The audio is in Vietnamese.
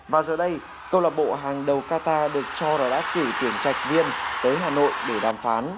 và giờ đây cơ lập bộ hàng đầu qatar được cho là đã cử tuyển trạch viên tới hà nội để đàm phá